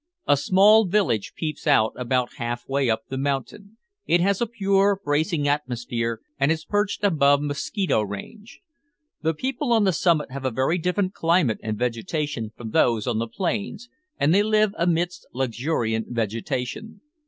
A small village peeps out about half way up the mountain. It has a pure, bracing atmosphere, and is perched above mosquito range. The people on the summit have a very different climate and vegetation from those on the plains, and they live amidst luxuriant vegetation.